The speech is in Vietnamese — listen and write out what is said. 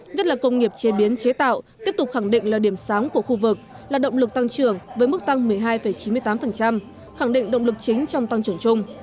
nhất là công nghiệp chế biến chế tạo tiếp tục khẳng định là điểm sáng của khu vực là động lực tăng trưởng với mức tăng một mươi hai chín mươi tám khẳng định động lực chính trong tăng trưởng chung